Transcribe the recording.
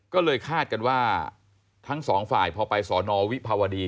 ก็เลยคาดกันว่าทั้งสองฝ่ายพอไปสอนอวิภาวดี